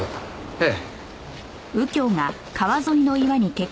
ええ。